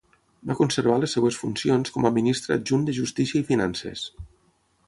Va conservar les seves funcions com a ministre adjunt de Justícia i Finances.